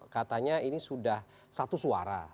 katanya ini sudah satu suara